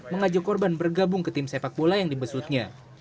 mengajak korban bergabung ke tim sepak bola yang dibesutnya